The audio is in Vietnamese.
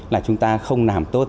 là chúng ta không làm tốt